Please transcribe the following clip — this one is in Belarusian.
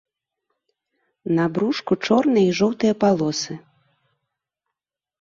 На брушку чорныя і жоўтыя палосы.